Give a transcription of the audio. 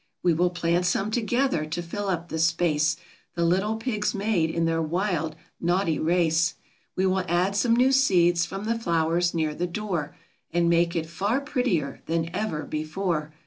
We will plant some together, to fill up the space The little pigs made in their wild, naughty race. 60 THE OLD BEAK. We will add some new seeds from the flowers near the door, And make it far prettier than ever before.